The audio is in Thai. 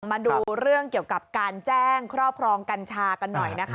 มาดูเรื่องเกี่ยวกับการแจ้งครอบครองกัญชากันหน่อยนะคะ